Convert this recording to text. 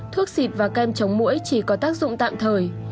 thuốc xịt và kem chống mũi chỉ có tác dụng tạm thời